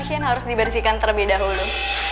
pasien harus dibersihkan terlebih dahulu